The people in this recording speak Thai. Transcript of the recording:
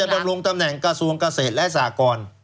เออก็บันรวมตำแหน่งกระทรวงเกษตรและสากร